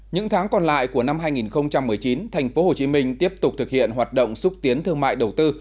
những tháng còn lại của năm hai nghìn một mươi chín tp hcm tiếp tục thực hiện hoạt động xúc tiến thương mại đầu tư